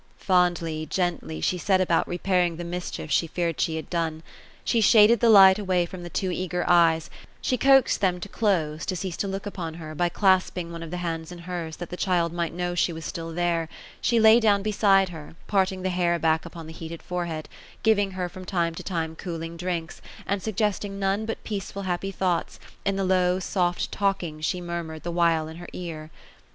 Fondly, gently, she set about repairing the mischief she feared she had done. She shaded the light away from the too eager eyes ; she coaxed them to close, — to cease to look upon her, by olaspiijig one of the hands in hers, that the child might know she was still there ; she lay down beside her, parting the hair back upon the heated forehead, giving her f\rom time to time cooling drinks, and suggesting none but peaceful happy thoughts, in the low soft talking she mnrmured the while in her ear.